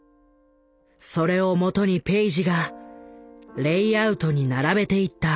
それをもとにペイジがレイアウトに並べていった。